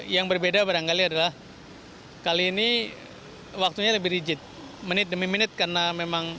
yang berbeda barangkali adalah kali ini waktunya lebih rigid menit demi menit karena memang